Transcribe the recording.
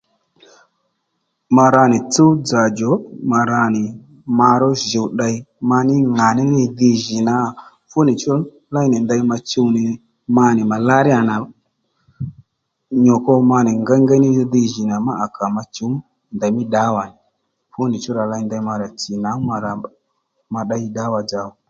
Ma ra nì tsúw-dzà djò ma ra nì ma ró jǔw tdey ma ní ŋà ní nì dhi jì nà fúnì chú léy nì ndey ma chuw nì ma nì màláríyà nà nyò ko ma nì ngéyngéy ní dhi jì nà má à kà ma chǔw ndèy mí ddǎwa nì fúni chú rà ley ndèy mà rà tsì ma nì rǎ ma tdey ddǎwa-dzà ò